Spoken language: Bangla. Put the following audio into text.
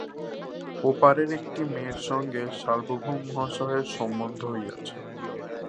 ও পারের একটি মেয়ের সঙ্গে সার্বভৌম মহাশয়ের সম্বন্ধ হইয়াছে।